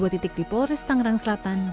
dua titik di polres tangerang selatan